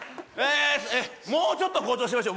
もうちょっと誇張しましょう。